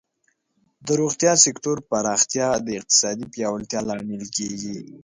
د روغتیا سکتور پراختیا د اقتصادی پیاوړتیا لامل کیږي.